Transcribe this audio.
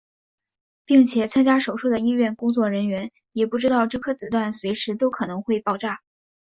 并且参加手术的医院工作人员也不知道这颗子弹随时都可能会爆炸。